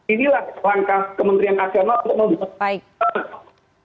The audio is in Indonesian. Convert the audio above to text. inilah langkah kementerian agama untuk membuat